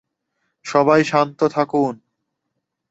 সবাই শান্ত থাকুন।